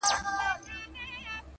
د ساړه ژمي شپې ظالمي توري!.